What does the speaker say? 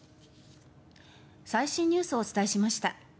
最新ニュースをお伝えしました。